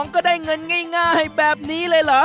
ก็ได้เงินง่ายแบบนี้เลยเหรอ